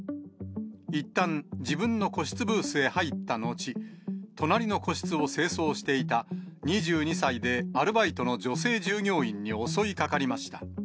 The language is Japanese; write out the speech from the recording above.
いったん、自分の個室ブースに入った後、隣の個室を清掃していた２２歳でアルバイトの女性従業員に襲いかかりました。